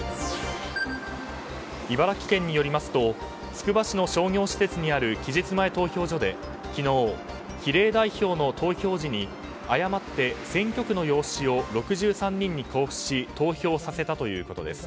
茨城県によりますとつくば市の商業施設にある期日前投票所で、昨日比例代表の投票時に誤って選挙区の用紙を６３人に交付し投票させたということです。